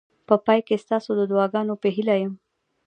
په پای کې ستاسو د دعاګانو په هیله یم.